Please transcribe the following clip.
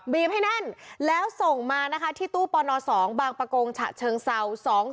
ให้แน่นแล้วส่งมานะคะที่ตู้ปน๒บางประกงฉะเชิงเศร้า